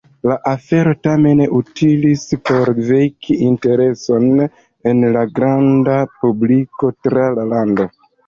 La afero tamen utilis por veki intereson en la granda publiko tra la lando.